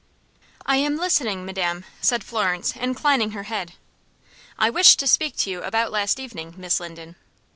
"I am listening, madam," said Florence, inclining her head. "I wish to speak to you about last evening, Miss Linden."